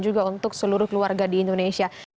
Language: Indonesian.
juga untuk seluruh keluarga di indonesia ini terima kasih